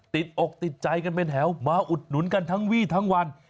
อกติดใจกันเป็นแถวมาอุดหนุนกันทั้งวี่ทั้งวัน